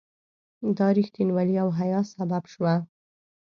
دا رښتینولي او حیا سبب شوه.